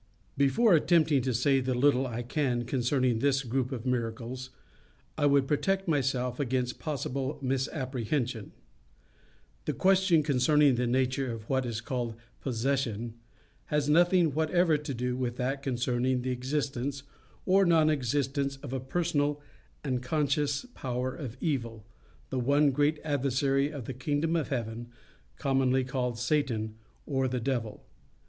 Before attempting to say the little I can concerning this group of miracles, I would protect myself against possible misapprehension. The question concerning the nature of what is called possession has nothing whatever to do with that concerning the existence or nonexistence of a personal and conscious power of evil, the one great adversary of the kingdom of heaven, commonly called Satan, or the devil.